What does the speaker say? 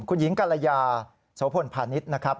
คุณหญิงกาลยาโสภนภานิษฐ์นะครับ